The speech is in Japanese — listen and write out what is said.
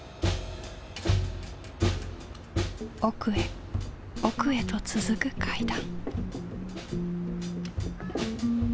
奥へ奥へと続く階段。